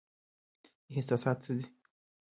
احساسات څه دي؟